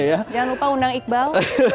jangan lupa undang iqbal